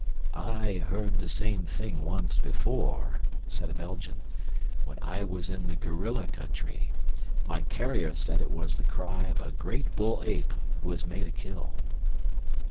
"I heard the same thing once before," said a Belgian, "when I was in the gorilla country. My carriers said it was the cry of a great bull ape who has made a kill."